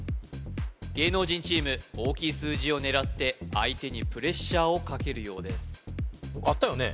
芸能人チーム大きい数字を狙って相手にプレッシャーをかけるようですあったよね？